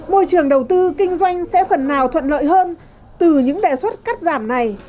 môi trường đầu tư kinh doanh sẽ phần nào thuận lợi hơn từ những đề xuất cắt giảm này